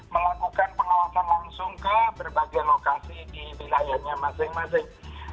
melakukan pengawasan langsung ke berbagai lokasi di wilayahnya masing masing